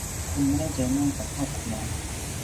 คุณไม่ได้เจอหน้ากับครอบครัว